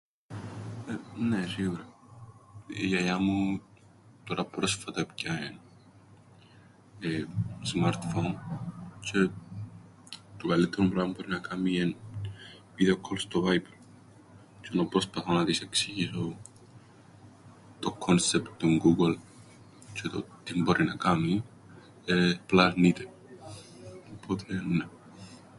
Νναι, σίουρα. Η γιαγιά μου τωρά πρόσφατα έπιαεν smart phone, τζ̆αι το καλλ΄υττερον πράμαν που μπόρει να κάμει εν' video call στο Viber, τζ̆ι ενώ προσπαθώ να της εξηγήσω το concept του google, τζ̆αι το τι μπορεί να κάμει, απλά αρνείται. Οπότε, νναι.